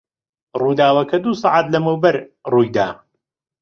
ڕووداوەکە دوو سەعات لەمەوبەر ڕووی دا.